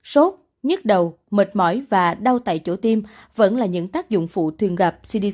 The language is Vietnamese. sốt nhức đầu mệt mỏi và đau tại chỗ tim vẫn là những tác dụng phụ thường gặp cdc